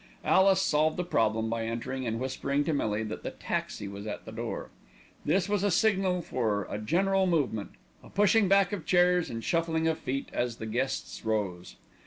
Alice solved the problem by entering and whispering to Millie that the taxi was at the door. This was a signal for a general movement, a pushing back of chairs and shuffling of feet as the guests rose.